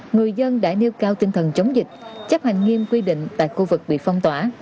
người dân đã nêu cao tinh thần chống dịch chấp hành nghiêm quy định tại khu vực bị phong tỏa